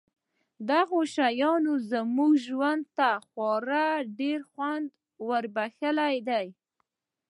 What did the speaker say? دغو شیانو زموږ ژوند ته خورا ډېر خوند وربښلی دی